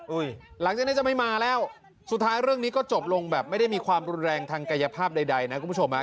หลังจากนี้จะไม่มาแล้วสุดท้ายเรื่องนี้ก็จบลงแบบไม่ได้มีความรุนแรงทางกายภาพใดนะคุณผู้ชมฮะ